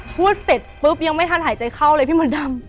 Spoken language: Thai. พูดเสร็จปุ๊บยังไม่ทันหายใจเข้าเลยพี่มดดำ